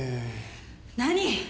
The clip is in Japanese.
何！